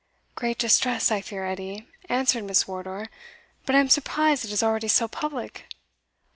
"Great distress, I fear, Edie," answered Miss Wardour; "but I am surprised it is already so public."